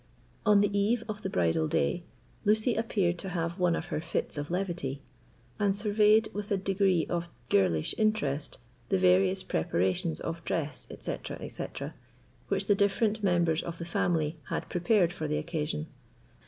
On the eve of the bridal day, Lucy appeared to have one of her fits of levity, and surveyed with a degree of girlish interest the various preparations of dress, etc., etc., which the different members of the family had prepared for the occasion.